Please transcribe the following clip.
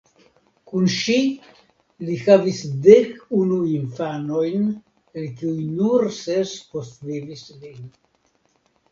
Kun ŝi li havis dek unu infanojn el kiuj nur ses postvivis lin.